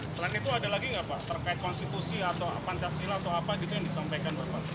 selain itu ada lagi nggak pak terkait konstitusi atau pancasila atau apa gitu yang disampaikan bapak